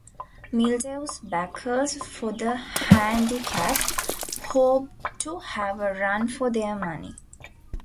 Mildew's backers for the Handicap hoped to have a run for their money.